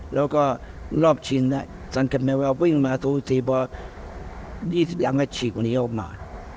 แล้วก็รอบชิงน่ะสังเกตไม่ว่าวิ่งมาสู่สีบอด๒๐หลังก็ฉีกวันนี้ออกมา